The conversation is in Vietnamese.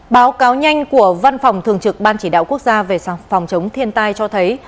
báo cáo nhanh của văn phòng thường trực ban chỉ đạo quốc gia về phòng chống thiên tai cho thấy